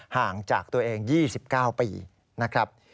ห่างจากตัวเอง๒๙ปีนะครับ